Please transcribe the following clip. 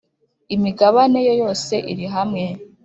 Imigabane ye yose irihamwe.